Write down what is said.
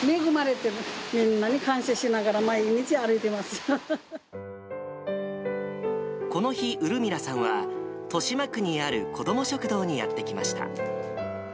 みんなに感謝しながら、毎日歩いこの日、ウルミラさんは豊島区にある子ども食堂にやって来ました。